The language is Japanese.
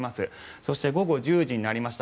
そして午後１０時になりました。